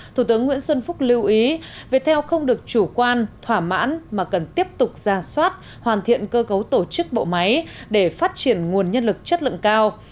thủ tướng nguyễn xuân phúc lưu ý việt theo không được chủ quan thỏa mãn mà cần tiếp tục ra soát hoàn thiện cơ cấu tổ chức bộ máy để phát triển nguồn nhân lực chất lượng cao